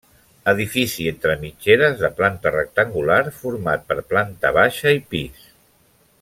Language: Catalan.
Edifici entre mitgeres de planta rectangular, format per planta baixa i pis.